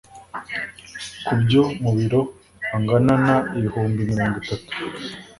kubyo mu biro angana n ibihumbi mirongo itatu